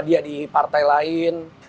dia di partai lain